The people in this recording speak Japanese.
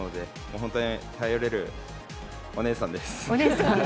本当に頼れるお姉さんです。